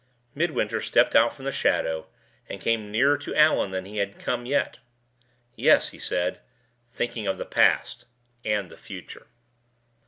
Midwinter stepped out from the shadow, and came nearer to Allan than he had come yet. "Yes," he said, "thinking of the past and the future."